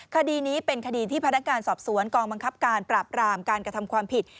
คดีนี้เป็นคดีที่พนักการสอบสวนกองบังคับการปราบรามการกระทำความผิด